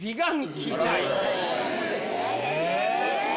え！